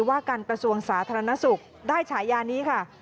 ว่าการกระทรวงสาธารณสุขได้ฉายานี้ค่ะ